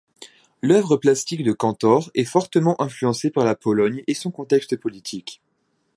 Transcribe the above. L'œuvre plastique de Kantor est fortement influencée par la Pologne et son contexte politique.